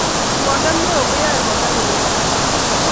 ruondo neoo ko yae kome kowetab chi